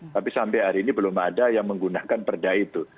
tapi sampai hari ini belum ada yang menggunakan perda itu